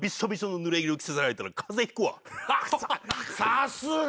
さすが。